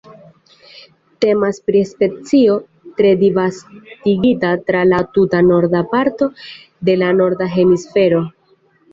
Temas pri specio tre disvastigita tra la tuta norda parto de la Norda Hemisfero.